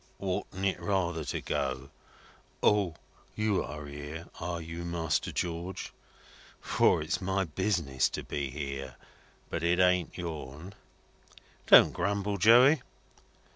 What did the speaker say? "Oughtn't it rather to go, 'O! You're here, are you, Master George?' For it's my business to be here. But it ain't yourn." "Don't grumble, Joey."